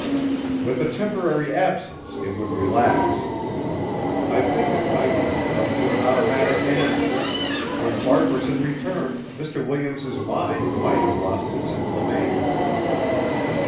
With a temporary absence it would relax. I think it might even come to an automatic end.... When Farquaharson returned Mr. Williams's mind might have lost its inflammation."